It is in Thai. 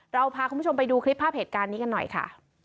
เราพาคุณผู้ชมไปดูคลิปภาพเหตุการณ์นี้กันหน่อยค่ะ